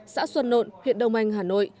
xã xuân nộn huyện đông anh hà nội